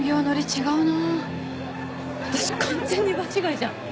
私完全に場違いじゃん。